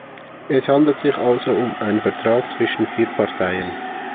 Es handelt sich also um einen Vertrag zwischen vier Parteien.